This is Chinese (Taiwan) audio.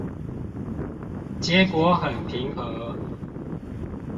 結果很平和